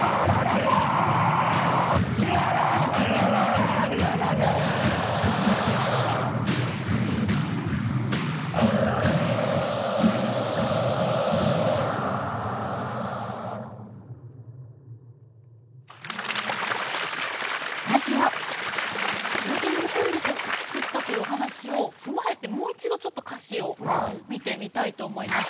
ウエディングソングとして作ったというお話を踏まえてもう一度ちょっと歌詞を見てみたいと思います。